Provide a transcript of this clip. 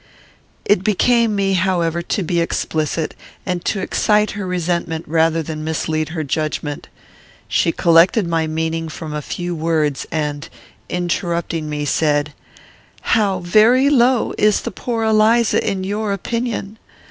It became me, however, to be explicit, and to excite her resentment rather than mislead her judgment. She collected my meaning from a few words, and, interrupting me, said, "How very low is the poor Eliza in your opinion!